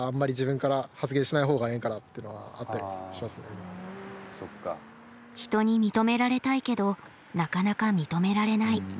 結構あんまり人に認められたいけどなかなか認められない。